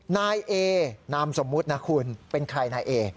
นายเอนามสมมุตินะคุณเป็นใครนายเอ